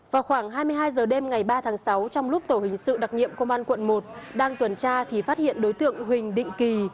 vào khoảng hai mươi hai h đêm ngày ba tháng sáu trong lúc tổ hình sự đặc nhiệm công an quận một đang tuần tra thì phát hiện đối tượng huỳnh định kỳ